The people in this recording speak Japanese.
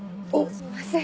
すみません。